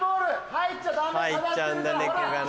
入っちゃうんだ猫がな。